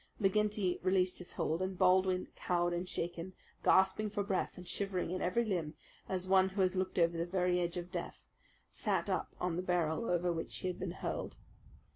McGinty released his hold, and Baldwin, cowed and shaken gasping for breath, and shivering in every limb, as one who has looked over the very edge of death, sat up on the barrel over which he had been hurled.